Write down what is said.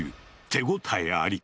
手応えあり。